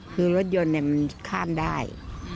คือรถยนต์มันข้ามได้